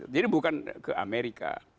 jadi bukan ke amerika